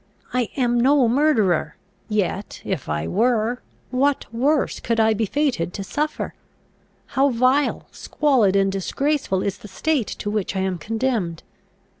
I am no murderer; yet, if I were, what worse could I be fated to suffer? How vile, squalid, and disgraceful is the state to which I am condemned!